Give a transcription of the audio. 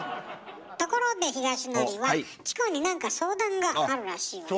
ところでひがしのりはチコに何か相談があるらしいわね。